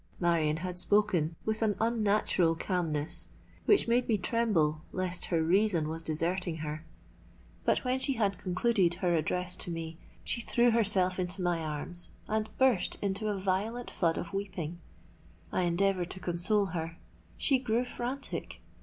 '—Marion had spoken with an unnatural calmness, which made me tremble lest her reason was deserting her; but when she had concluded her address to me, she threw herself into my arms, and burst into a violent flood of weeping. I endeavoured to console her: she grew frantic.